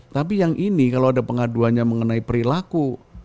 tapi yang ini kalau ada pengaduannya mengenai perilaku